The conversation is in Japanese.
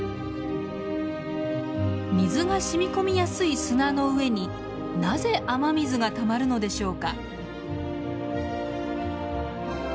水がしみ込みやすい砂の上になぜ雨水がたまるのでしょうか？